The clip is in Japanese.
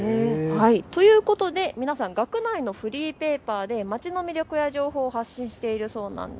ということで皆さん、学内のフリーペーパーで街の魅力や情報を発信しているそうなんです。